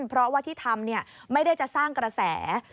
เพราะว่าที่ทำไม่ได้จะสร้างกระแส